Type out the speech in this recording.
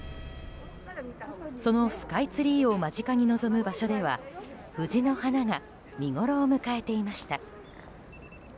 そのスカイツリーを間近に望む場所では藤の花が見ごろを迎えていました。